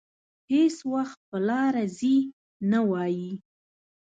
هېڅ وخت په لاره ځي نه وايي.